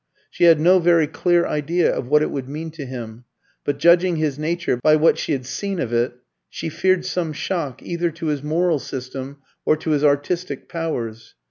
She had no very clear idea of what it would mean to him; but judging his nature by what she had seen of it, she feared some shock either to his moral system or to his artistic powers.